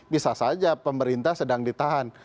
bisa saja pemerintah sedang ditahan